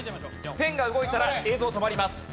ペンが動いたら映像止まります。